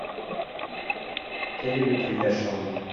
Quel est le prix de la chambre ?